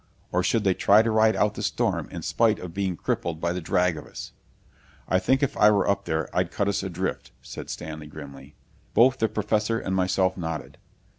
Or should they try to ride out the storm in spite of being crippled by the drag of us? "I think if I were up there I'd cut us adrift," said Stanley grimly. Both the Professor and myself nodded.